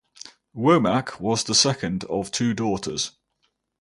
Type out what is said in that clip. Womack was the second of two daughters.